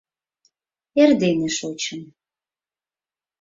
Эрдене шочын...